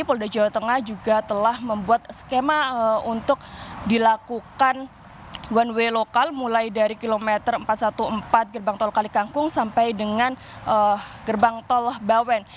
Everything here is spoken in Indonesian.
polda jawa tengah juga telah membuat skema untuk dilakukan one way lokal mulai dari kilometer empat ratus empat belas gerbang tol kalikangkung sampai dengan gerbang tol bawen